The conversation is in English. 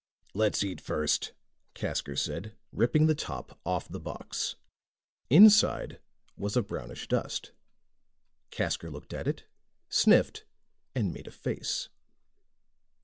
"Let's eat first," Casker said, ripping the top off the box. Inside was a brownish dust. Casker looked at it, sniffed, and made a face.